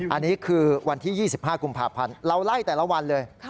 อันนี้คือวันที่๒๕กุมภาพันธ์เราไล่แต่ละวันเลย